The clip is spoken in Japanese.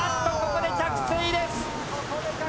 ここで着水です。